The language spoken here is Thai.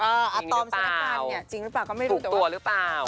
อ๋ออาตอมสถานการณ์เนี่ยจริงหรือเปล่าก็ไม่รู้แต่ว่าถูกตัวหรือเปล่า